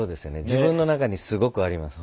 自分の中にすごくあります